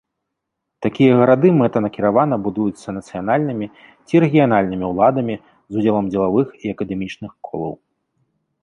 Такія гарады мэтанакіравана будуюцца нацыянальнымі ці рэгіянальнымі ўладамі з удзелам дзелавых і акадэмічных колаў.